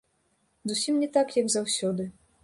Зусім не так, як заўсёды.